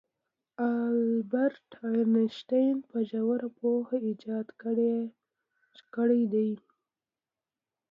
البرت انیشټین په ژوره پوهه ایجاد کړی دی.